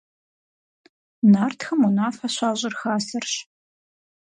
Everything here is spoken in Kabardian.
Нартхэм унафэ щащӀыр хасэрщ.